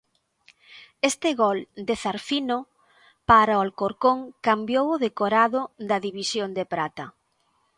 Este gol de Zarfino para o Alcorcón cambiou o decorado da división de prata.